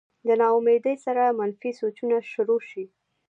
د نا امېدۍ سره منفي سوچونه شورو شي